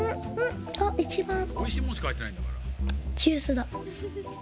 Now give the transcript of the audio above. おいしいもんしかはいってないんだから。